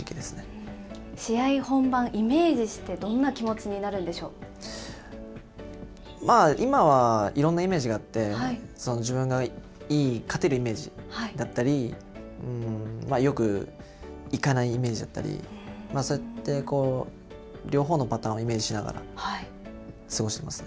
本番、イメージして、どまあ、今はいろんなイメージがあって、自分がいい勝てるイメージだったり、よくいかないイメージだったり、そうやって両方のパターンをイメージしながら、過ごしてます